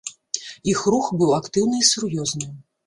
Іх рух быў актыўны і сур'ёзны.